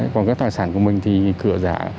còn các tài sản của mình thì cửa giả